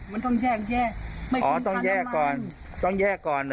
มันต้องแยกแยกอ๋อต้องแยกก่อนต้องแยกก่อนเหรอ